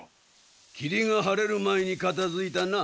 きりが晴れる前にかたづいたな。